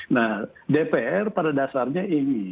nah dpr pada dasarnya ini